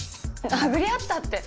殴り合ったって。